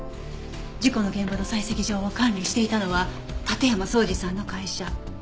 事故の現場の採石場を管理していたのは館山荘司さんの会社。